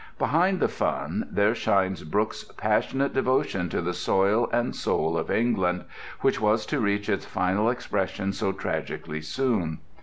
Behind the fun there shines Brooke's passionate devotion to the soil and soul of England which was to reach its final expression so tragically soon.